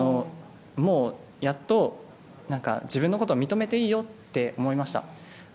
もう、やっと自分のことを認めていいよって思いました。